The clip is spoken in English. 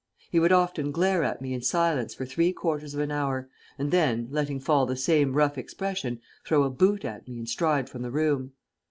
He would often glare at me in silence for three quarters of an hour, and then, letting fall the same rough expression, throw a boot at me and stride from the room.